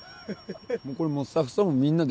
これもうスタッフさんもみんなで。